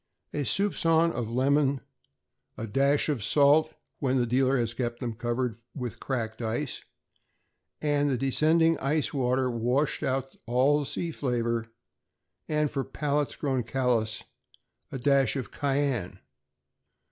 A suspicion of lemon; a dash of salt when the dealer has kept them covered with cracked ice, and the descending ice water washed out all sea flavor; and, for palates grown callous, a dash of cayenne.